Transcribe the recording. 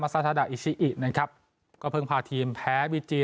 ซาทาดาอิชิอินะครับก็เพิ่งพาทีมแพ้บีจี